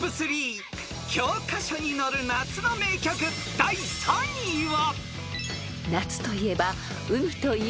［教科書に載る夏の名曲第３位は］